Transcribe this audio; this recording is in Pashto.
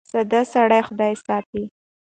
ساده سړی خدای ساتي .